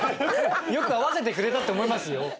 よく合わせてくれたって思いますよ。